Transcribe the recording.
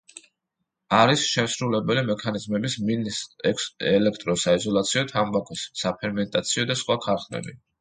არის შემსრულებელი მექანიზმების, მინის ელექტროსაიზოლაციო, თამბაქოს საფერმენტაციო, და სხვა ქარხნები.